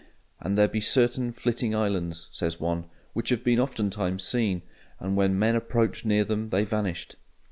"And there be certaine flitting islands," says one, "which have been oftentimes seene, and when men approached near them they vanished."